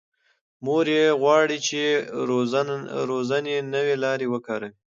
مور یې غواړي چې روزنې نوې لارې وکاروي.